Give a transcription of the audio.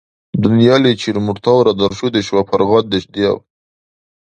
Дунъяличир мурталра даршудеш ва паргъатдеш диаб.